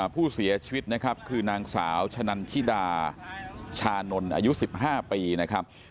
ผู้เสียชีวิตนะครับคือนางสาวชะนันชิดาชานนท์อายุ๑๕ปีนะครับ